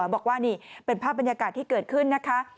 บอกว่านี่เป็นภาพบรรยากาศที่เกิดขึ้นนะคะ